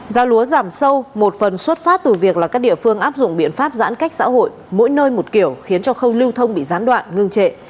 giá lúa giảm sâu một phần xuất phát từ việc là các địa phương áp dụng biện pháp giãn cách xã hội mỗi nơi một kiểu khiến cho khâu lưu thông bị gián đoạn ngưng trệ